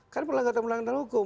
kan perbuatan melanggar hukum